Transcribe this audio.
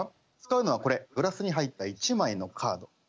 使うのはこれグラスに入った１枚のカード。